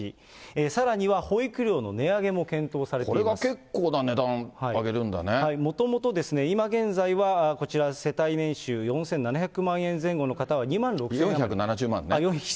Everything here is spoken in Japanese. さらには保育料の値上げも検討さこれは結構な値段、上げるんもともと今現在はこちら、世帯年収４７００万円前後の方は２万６０００円。